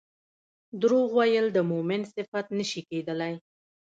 دروغ ويل د مؤمن صفت نه شي کيدلی